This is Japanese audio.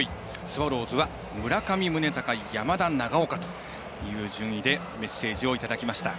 スワローズは村上宗隆山田、長岡という順位でメッセージをいただきました。